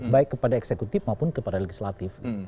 baik kepada eksekutif maupun kepada legislatif